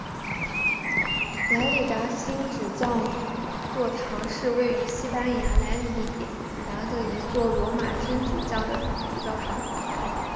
莱里达新主教座堂是位于西班牙城市莱里达的一座罗马天主教的主教座堂。